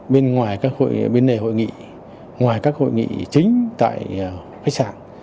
trong đó bên ngoài các hội nghị chính tại khách sạn